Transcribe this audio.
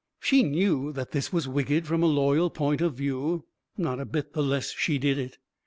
She knew that this was wicked from a loyal point of view; not a bit the less she did it.